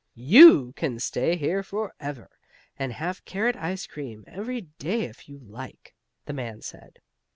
"You can stay here forever, and have carrot ice cream every day if you like," the man said.